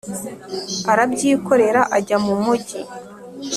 Arabyikorera ajya mu mugi